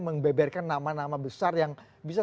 membeberkan nama nama besar yang bisa